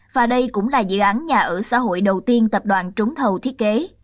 và đây cũng là dự án nhà ở xã hội đầu tiên tập đoàn trúng thầu thiết kế